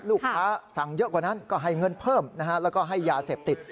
สั่งเยอะกว่านั้นก็ให้เงินเพิ่มนะฮะแล้วก็ให้ยาเสพติด